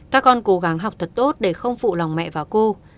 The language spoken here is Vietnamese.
các con cố gắng học thật tốt để không phụ lòng mẹ và cô